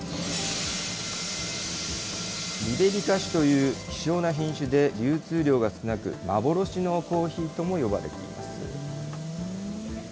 リベリカ種という貴重な品種で、流通量が少なく、幻のコーヒーとも呼ばれています。